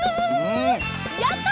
やった！